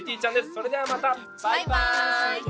それではまたバイバーイ！